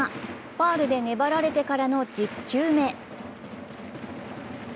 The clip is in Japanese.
ファウルで粘られてからの１０球目。